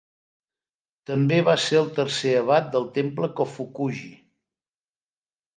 També va ser el tercer abat del Temple Kofukuji.